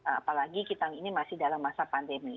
apalagi kita ini masih dalam masa pandemi